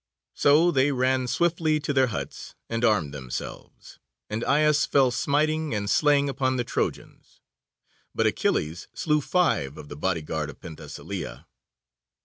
So they ran swiftly to their huts, and armed themselves, and Aias fell smiting and slaying upon the Trojans, but Achilles slew five of the bodyguard of Penthesilea.